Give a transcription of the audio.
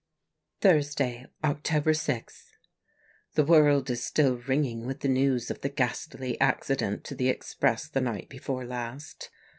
] Thursday, October 6. — The world is still ringing with the news of the ghastly accident to the express the night before last.